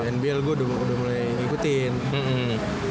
nbl gua udah mulai ikutin